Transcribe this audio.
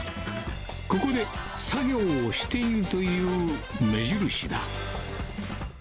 ここで作業をしているという目印だ。